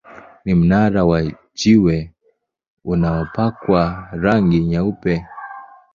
Ni mnara wa jiwe uliopakwa rangi nyeupe.